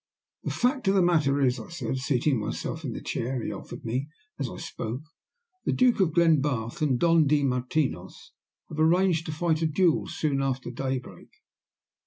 "The fact of the matter is," I said, seating myself in the chair he offered me as I spoke, "the Duke of Glenbarth and Don de Martinos have arranged to fight a duel soon after daybreak."